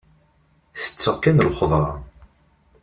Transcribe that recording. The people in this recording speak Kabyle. Tetteɣ kan lxedṛa.